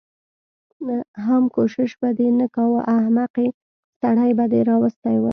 حم کوشش به دې نه کوه احمقې سړی به دې راوستی و.